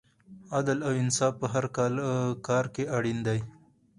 عدل او انصاف په هر کار کې اړین دی.